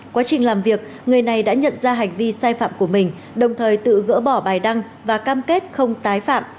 quá trình làm việc người này đã nhận ra hành vi sai phạm của mình đồng thời tự gỡ bỏ bài đăng và cam kết không tái phạm